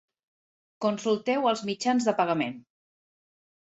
Consulteu els mitjans de pagament.